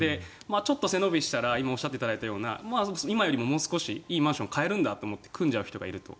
ちょっと背伸びしたら今おっしゃっていただいたような今よりももう少しいいマンションを買えるんだと思って組んじゃう人がいると。